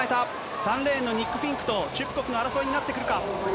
３レーンのニック・フィンクとチュプコフの争いになってくるか。